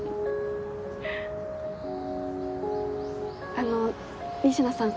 あの仁科さん。